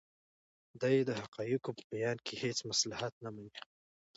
دی د حقایقو په بیان کې هیڅ مصلحت نه مني.